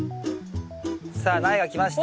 さあ苗が来ました。